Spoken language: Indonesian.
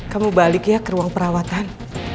kamu balik ya ke ruang perawatan